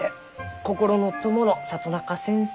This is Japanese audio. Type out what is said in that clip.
心の友の里中先生